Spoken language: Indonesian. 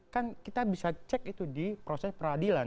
kan kita bisa cek itu di proses peradilan